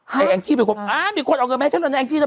ไปที่พี่โฮยอยู่พี่เสียใจสิถุงทุกวันนี้ลุง